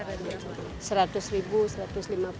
anda ada berkisar ada